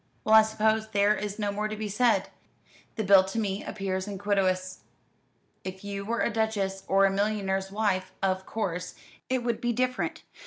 "Well, I suppose there is no more to be said. The bill to me appears iniquitous. If you were a duchess or a millionaire's wife, of course it would be different.